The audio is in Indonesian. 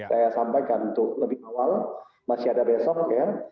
saya sampaikan untuk lebih awal masih ada besok ya